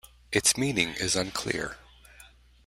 Its meaning is unclear.